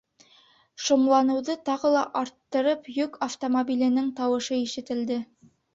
Шомланыуҙы тағы ла арттырып, йөк автомобиленең тауышы ишетелде.